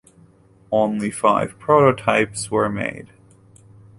Only five prototypes were made.